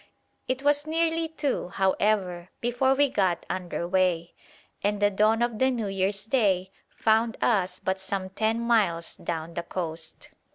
It was nearly two, however, before we got under way, and the dawn of the New Year's Day found us but some ten miles down the coast.